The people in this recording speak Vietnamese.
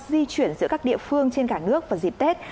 di chuyển giữa các địa phương trên cả nước vào dịp tết